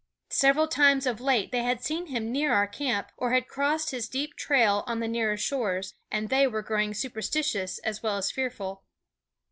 Several times of late they had seen him near our camp, or had crossed his deep trail on the nearer shores, and they were growing superstitious as well as fearful.